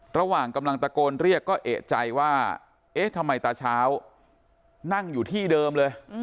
ระหว่างกำลังตะโกนเรียกก็เอกใจว่าเอ๊ะทำไมตาเช้านั่งอยู่ที่เดิมเลย